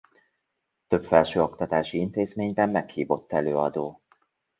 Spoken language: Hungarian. Több felsőoktatási intézményben meghívott előadó.